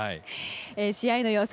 試合の様子